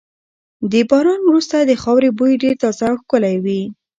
د باران وروسته د خاورې بوی ډېر تازه او ښکلی وي.